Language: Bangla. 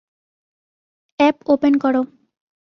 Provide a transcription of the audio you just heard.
অ্যাপ ওপেন করো।